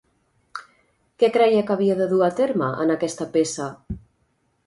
Què creia que havia de dur a terme en aquesta peça?